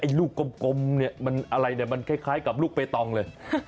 ไอ้ลูกกลมอะไรมันคล้ายกับลูกเปตองเลย